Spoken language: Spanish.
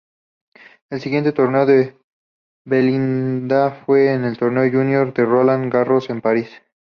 El siguiente torneo de Belinda fue el torneo júnior de Roland Garros en París.